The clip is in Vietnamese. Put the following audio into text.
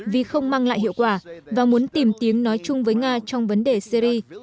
vì không mang lại hiệu quả và muốn tìm tiếng nói chung với nga trong vấn đề syri